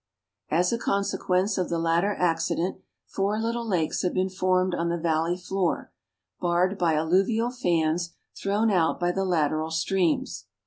As a consequence of the latter accident, four little lakes have been formed on the valley floor, barred by alluvial fans thrown out by the lateral sti eams.